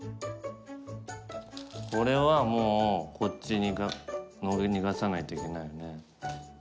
これはもうこっち逃がさないといけないよね。